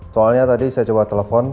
soalnya tadi saya coba telepon